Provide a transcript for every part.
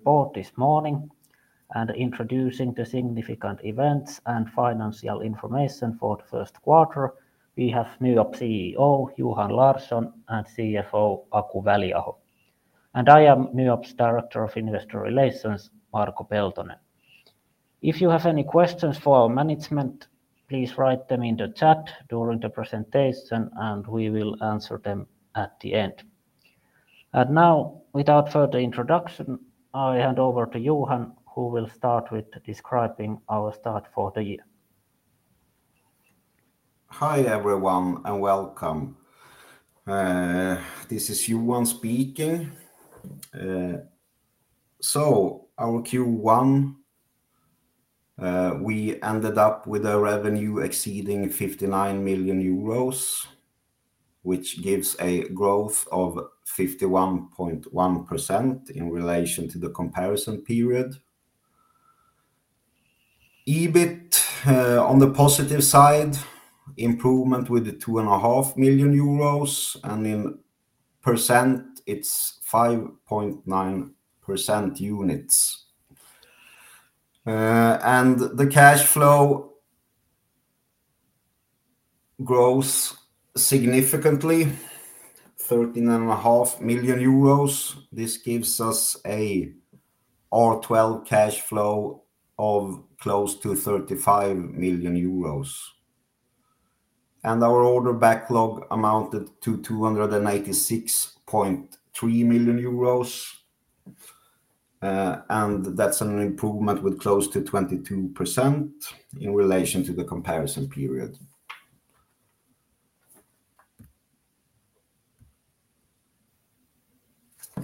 Report this morning and introducing the significant events and financial information for the first quarter. We have NYAB CEO Johan Larsson and CFO Aku Väliaho, and I am NYAB's Director of Investor Relations Marko Peltonen. If you have any questions for our management, please write them in the chat during the presentation and we will answer them at the end. Now, without further introduction, I hand over to Johan who will start with describing our start for the year. Hi everyone and welcome. This is Johan speaking. So our Q1, we ended up with a revenue exceeding 59 million euros, which gives a growth of 51.1% in relation to the comparison period. EBIT, on the positive side, improvement with 2.5 million euros, and in percent it's 5.9% units. And the cash flow grows significantly, 13.5 million euros. This gives us a R12 cash flow of close to 35 million euros. And our order backlog amounted to 286.3 million euros. And that's an improvement with close to 22% in relation to the comparison period.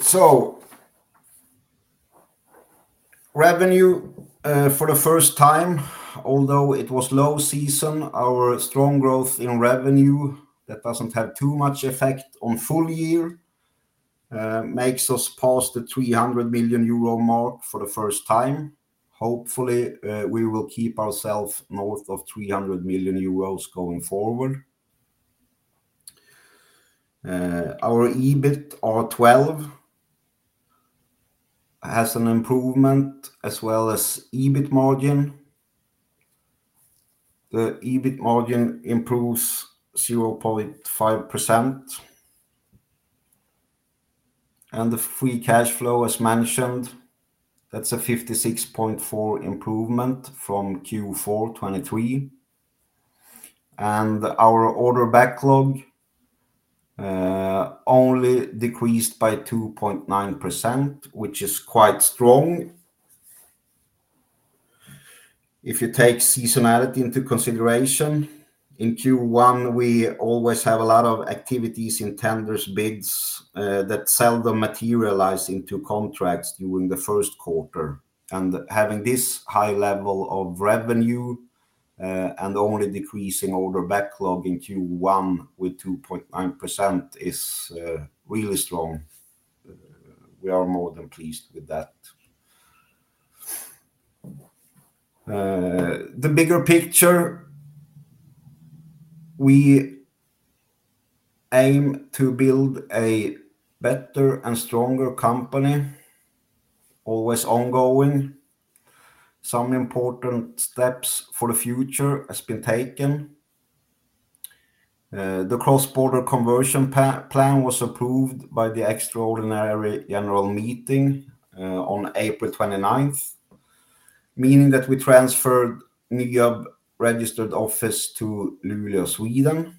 So revenue, for the first time, although it was low season, our strong growth in revenue that doesn't have too much effect on full year, makes us past the 300 million euro mark for the first time. Hopefully, we will keep ourselves north of 300 million euros going forward. Our EBIT, R12, has an improvement as well as EBIT margin. The EBIT margin improves 0.5%. And the free cash flow, as mentioned, that's a 56.4% improvement from Q4 2023. And our order backlog only decreased by 2.9%, which is quite strong. If you take seasonality into consideration, in Q1 we always have a lot of activities in tenders, bids, that seldom materialize into contracts during the first quarter. And having this high level of revenue, and only decreasing order backlog in Q1 with 2.9% is really strong. We are more than pleased with that. The bigger picture, we aim to build a better and stronger company, always ongoing. Some important steps for the future have been taken. The cross-border conversion plan was approved by the extraordinary general meeting on April 29th, meaning that we transferred NYAB's registered office to Luleå, Sweden.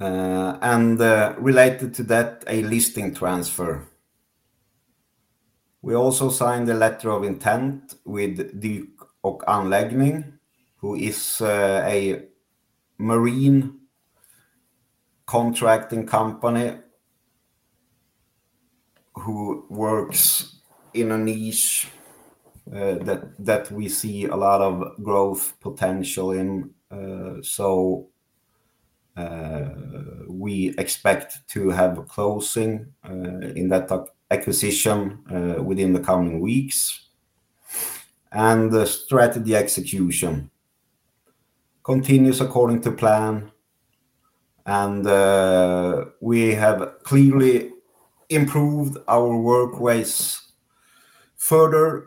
And related to that, a listing transfer. We also signed a letter of intent with Dyk & Anläggning, who is a marine contracting company who works in a niche that we see a lot of growth potential in. So, we expect to have a closing in that acquisition within the coming weeks. We have clearly improved our workways further.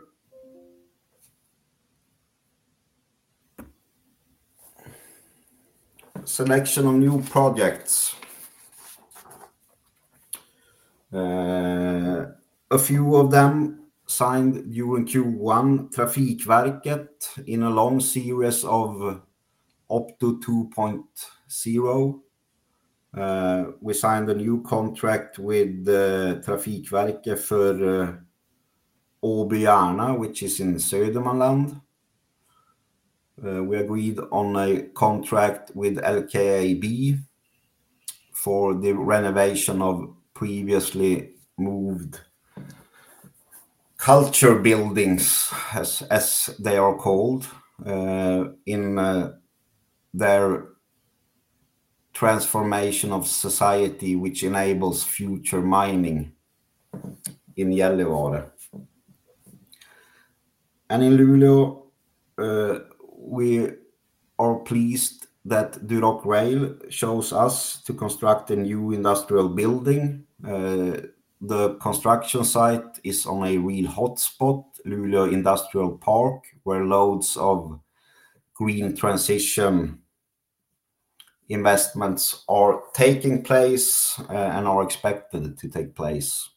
Selection of new projects. A few of them signed during Q1, Trafikverket, in a long series of Opto 2.0. We signed a new contract with Trafikverket for Åby–Järna, which is in Södermanland. We agreed on a contract with LKAB for the renovation of previously moved culture buildings, as they are called, in their transformation of society, which enables future mining in Gällivare. In Luleå, we are pleased that Duroc Rail shows us to construct a new industrial building. The construction site is on a real hotspot, Luleå Industrial Park, where loads of green transition investments are taking place, and are expected to take place.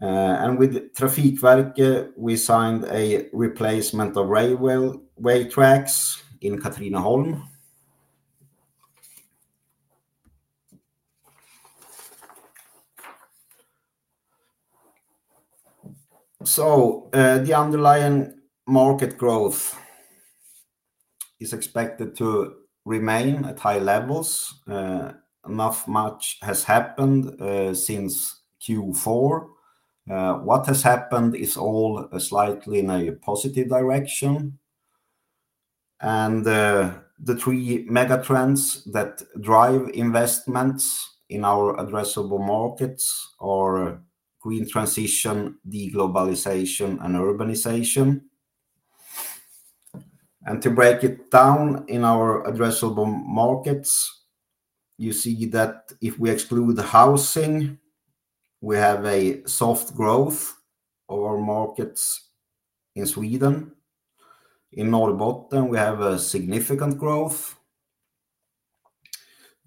With Trafikverket, we signed a replacement of railway tracks in Katrineholm. So, the underlying market growth is expected to remain at high levels. Enough much has happened, since Q4. What has happened is all slightly in a positive direction. The three megatrends that drive investments in our addressable markets are green transition, deglobalization, and urbanization. To break it down in our addressable markets, you see that if we exclude housing, we have a soft growth of our markets in Sweden. In Norrbotten, we have a significant growth.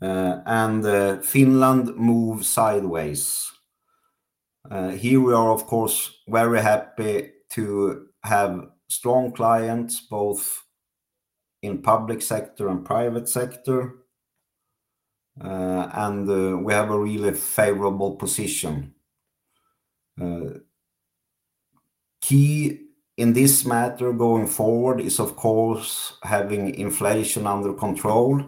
Finland moved sideways. Here we are, of course, very happy to have strong clients both in public sector and private sector. We have a really favorable position. Key in this matter going forward is, of course, having inflation under control,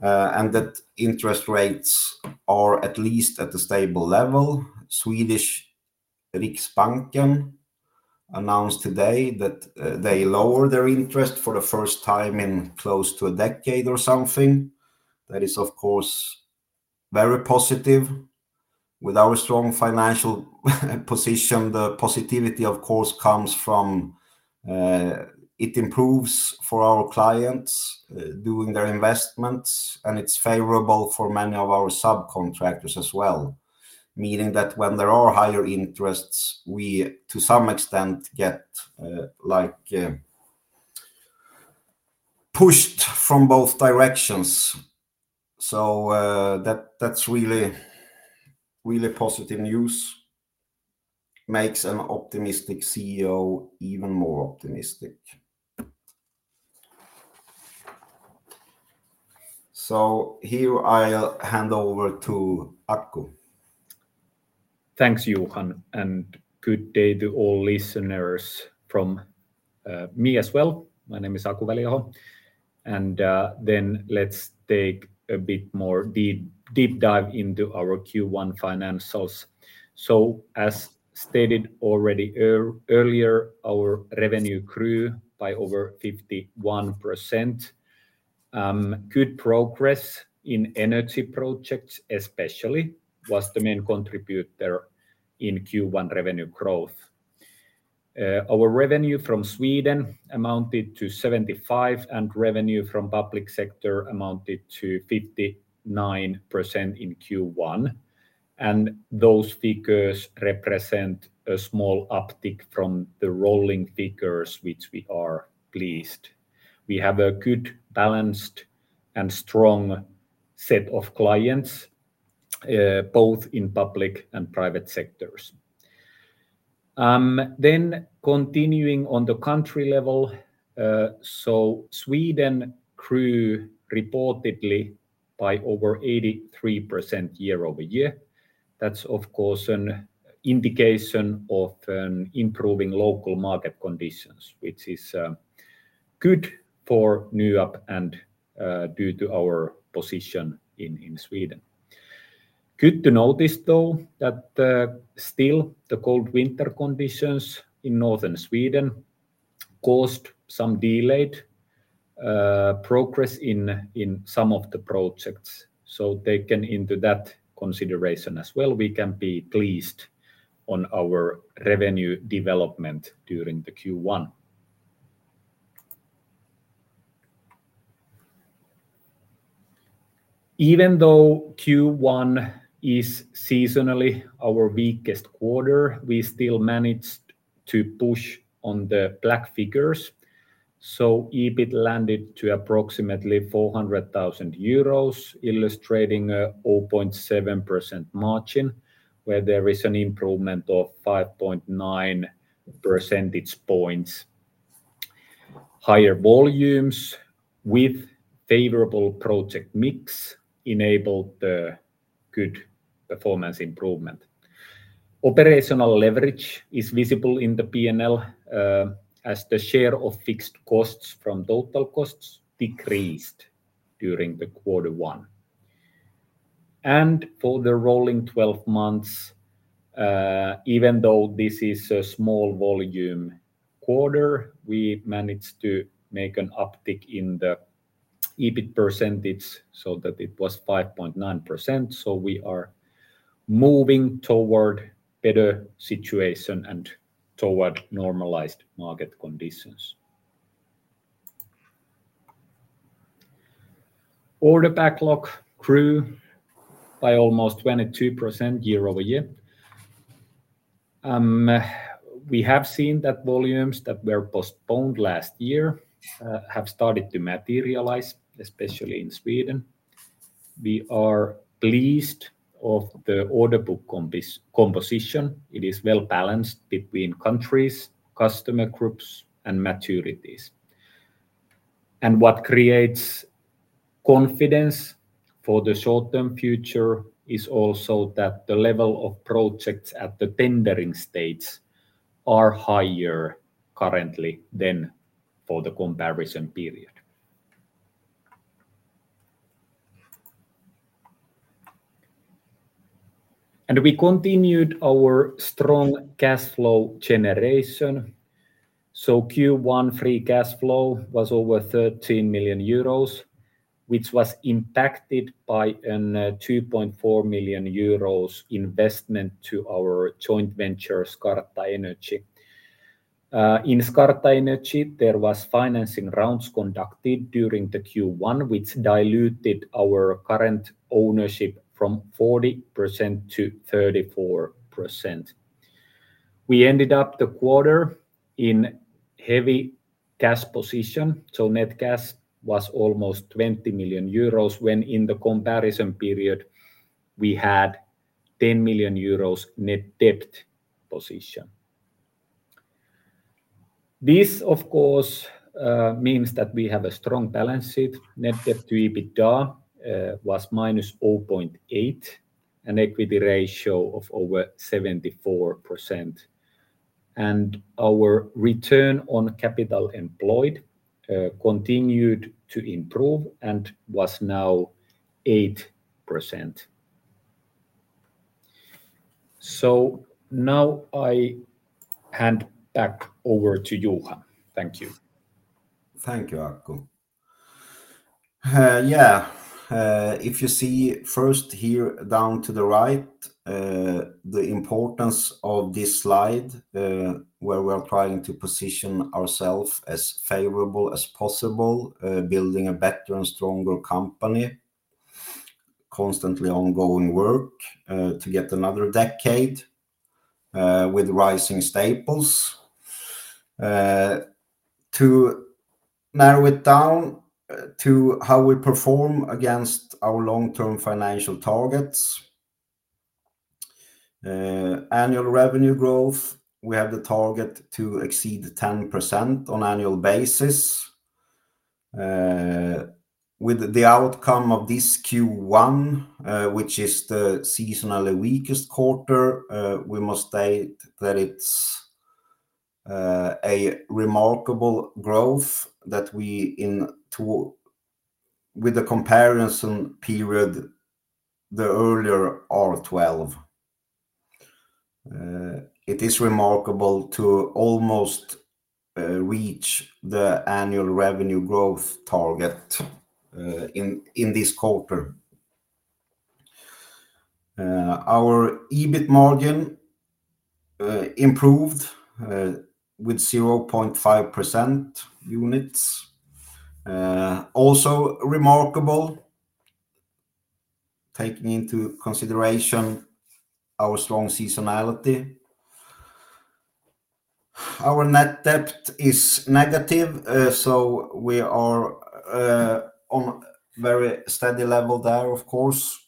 and that interest rates are at least at a stable level. Swedish Riksbanken announced today that they lowered their interest for the first time in close to a decade or something. That is, of course, very positive. With our strong financial position, the positivity, of course, comes from, it improves for our clients, doing their investments, and it's favorable for many of our subcontractors as well, meaning that when there are higher interests, we to some extent get, like, pushed from both directions. So, that that's really, really positive news. Makes an optimistic CEO even more optimistic. So here I'll hand over to Aku. Thanks, Johan. Good day to all listeners from me as well. My name is Aku Väliaho. Then let's take a bit more deep dive into our Q1 financials. So as stated already earlier, our revenue grew by over 51%. Good progress in energy projects, especially, was the main contributor in Q1 revenue growth. Our revenue from Sweden amounted to 75%. Revenue from public sector amounted to 59% in Q1. Those figures represent a small uptick from the rolling figures, which we are pleased. We have a good balanced and strong set of clients, both in public and private sectors. Then continuing on the country level, so Sweden grew reportedly by over 83% year-over-year. That's, of course, an indication of an improving local market conditions, which is good for NYAB and due to our position in Sweden. Good to notice, though, that still the cold winter conditions in northern Sweden caused some delayed progress in some of the projects. So taking that into consideration as well, we can be pleased with our revenue development during the Q1. Even though Q1 is seasonally our weakest quarter, we still managed to push on the black figures. So EBIT landed at approximately 400,000 euros, illustrating a 0.7% margin where there is an improvement of 5.9 percentage points. Higher volumes with favorable project mix enabled the good performance improvement. Operational leverage is visible in the P&L, as the share of fixed costs from total costs decreased during the quarter one. For the rolling 12 months, even though this is a small volume quarter, we managed to make an uptick in the EBIT percentage so that it was 5.9%. So we are moving toward a better situation and toward normalized market conditions. Order backlog grew by almost 22% year-over-year. We have seen that volumes that were postponed last year, have started to materialize, especially in Sweden. We are pleased with the order book composition. It is well balanced between countries, customer groups, and maturities. And what creates confidence for the short-term future is also that the level of projects at the tendering stage is higher currently than for the comparison period. And we continued our strong cash flow generation. So Q1 free cash flow was over 13 million euros, which was impacted by a 2.4 million euros investment to our joint venture, Skarta Energy. In Skarta Energy, there were financing rounds conducted during the Q1, which diluted our current ownership from 40%-34%. We ended up the quarter in a heavy cash position. So net cash was almost 20 million euros when in the comparison period we had a 10 million euros net debt position. This, of course, means that we have a strong balance sheet. Net debt to EBITDA was -0.8%, an equity ratio of over 74%, and our return on capital employed continued to improve and was now 8%. So now I hand back over to Johan. Thank you. Thank you, Aku. Yeah. If you see first here down to the right, the importance of this slide, where we are trying to position ourselves as favorable as possible, building a better and stronger company. Constantly ongoing work, to get another decade, with rising staples. To narrow it down to how we perform against our long-term financial targets. Annual revenue growth. We have the target to exceed 10% on annual basis. With the outcome of this Q1, which is the seasonally weakest quarter, we must state that it's a remarkable growth that we in two. With the comparison period, the earlier R12, it is remarkable to almost reach the annual revenue growth target, in this quarter. Our EBIT margin improved with 0.5% units. Also remarkable. Taking into consideration our strong seasonality. Our net debt is negative. So we are on a very steady level there, of course.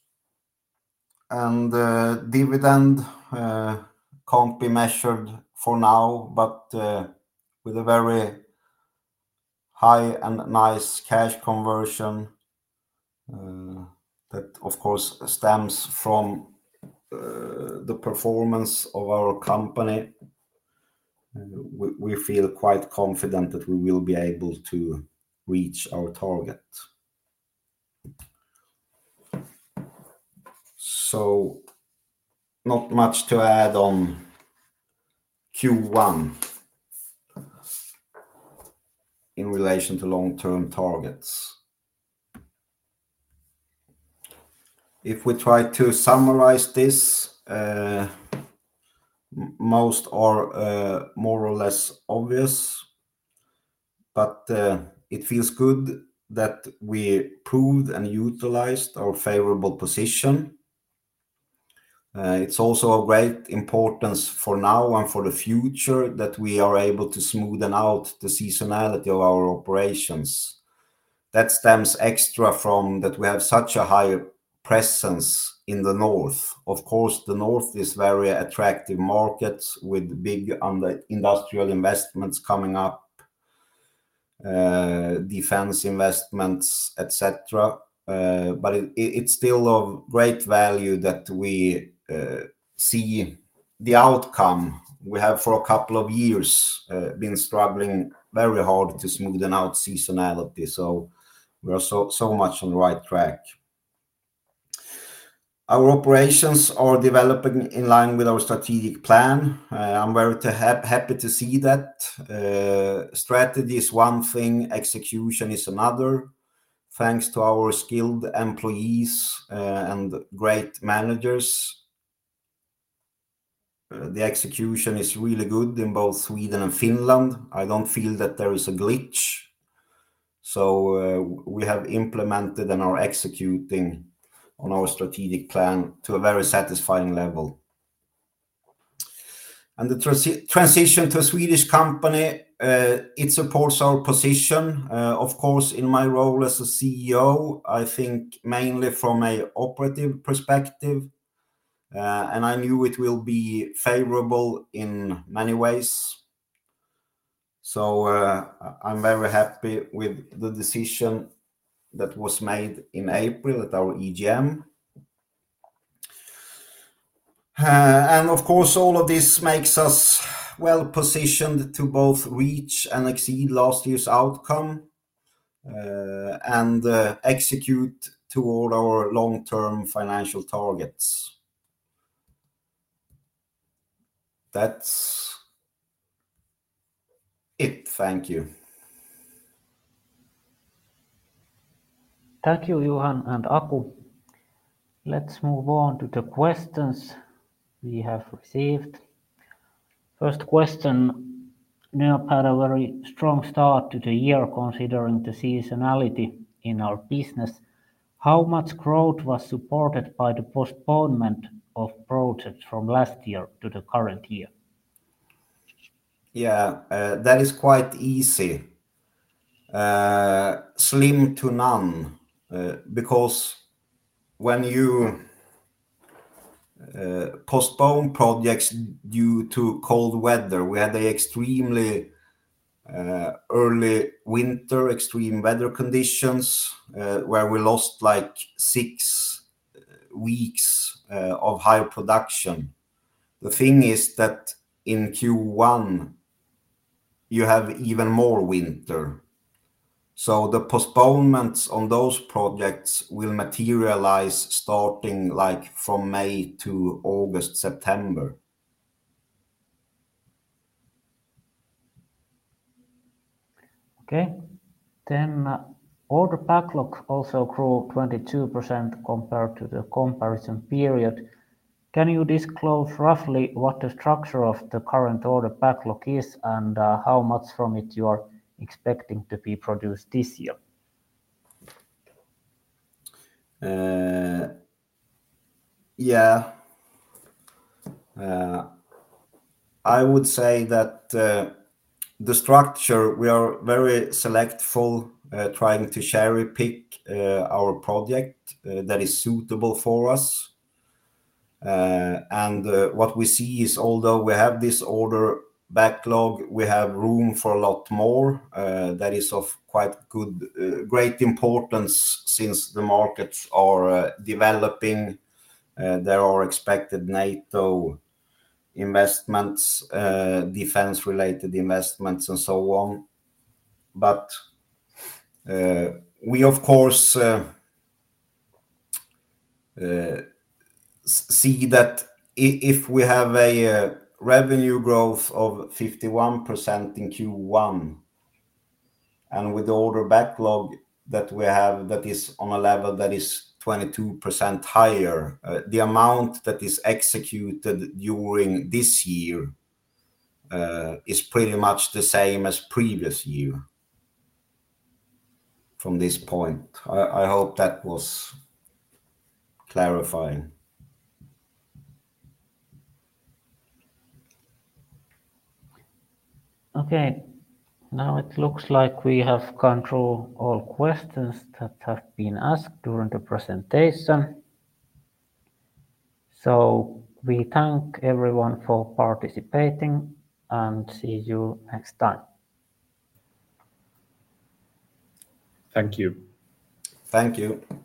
Dividend can't be measured for now, but with a very high and nice cash conversion, that, of course, stems from the performance of our company. We feel quite confident that we will be able to reach our target. Not much to add on Q1 in relation to long-term targets. If we try to summarize this, most are more or less obvious, but it feels good that we proved and utilized our favorable position. It's also of great importance for now and for the future that we are able to smoothen out the seasonality of our operations. That stems extra from that we have such a high presence in the north. Of course, the north is a very attractive market with big industrial investments coming up, defense investments, etc. But it's still of great value that we see the outcome we have for a couple of years been struggling very hard to smoothen out seasonality. So we are so, so much on the right track. Our operations are developing in line with our strategic plan. I'm very happy to see that. Strategy is one thing. Execution is another. Thanks to our skilled employees and great managers. The execution is really good in both Sweden and Finland. I don't feel that there is a glitch. So we have implemented and are executing on our strategic plan to a very satisfying level. And the transition to a Swedish company. It supports our position. Of course, in my role as a CEO, I think mainly from an operative perspective, and I knew it will be favorable in many ways. So, I'm very happy with the decision that was made in April at our EGM, and of course, all of this makes us well-positioned to both reach and exceed last year's outcome, and execute toward our long-term financial targets. That's it. Thank you. Thank you, Johan and Aku. Let's move on to the questions we have received. First question, NYAB had a very strong start to the year considering the seasonality in our business. How much growth was supported by the postponement of projects from last year to the current year? Yeah. That is quite easy. Slim to none, because when you postpone projects due to cold weather, we had an extremely early winter, extreme weather conditions, where we lost like 6 weeks of higher production. The thing is that in Q1 you have even more winter. So the postponements on those projects will materialize starting like from May to August, September. Okay. Then order backlog also grew 22% compared to the comparison period. Can you disclose roughly what the structure of the current order backlog is and how much from it you are expecting to be produced this year? Yeah. I would say that, the structure we are very selective, trying to cherry-pick, our project, that is suitable for us. And, what we see is although we have this order backlog, we have room for a lot more. That is of quite good, great importance since the markets are, developing. There are expected NATO investments, defense-related investments and so on. But, we, of course, see that if we have a revenue growth of 51% in Q1 and with the order backlog that we have that is on a level that is 22% higher, the amount that is executed during this year is pretty much the same as previous year. From this point, I hope that was clarifying. Okay. Now it looks like we have gone through all questions that have been asked during the presentation. So we thank everyone for participating and see you next time. Thank you. Thank you.